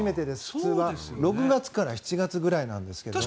普通は６月から７月くらいなんですけど。